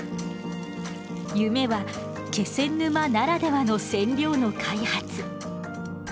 夢は気仙沼ならではの染料の開発。